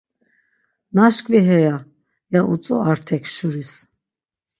Naşkvi heya!” ya utzu Artek Şuris.